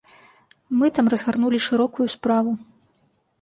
Мы там разгарнулі шырокую справу.